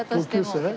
同級生？